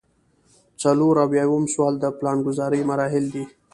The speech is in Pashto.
څلور اویایم سوال د پلانګذارۍ مراحل دي.